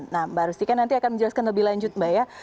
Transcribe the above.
nah mbak rustika nanti akan menjelaskan lebih lanjut mbak ya